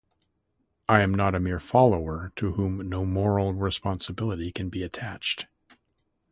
I am not a mere follower to whom no moral responsibility can be attached.